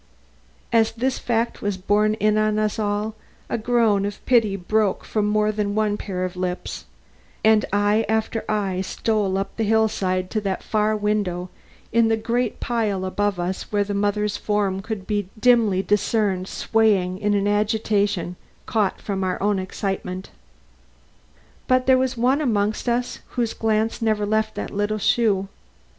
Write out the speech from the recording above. As this fact was borne in on us all, a groan of pity broke from more than one pair of lips, and eye after eye stole up the hillside to that far window in the great pile above us where the mother's form could be dimly discerned swaying in an agitation caught from our own excitement. But there was one amongst us whose glance never left that little shoe.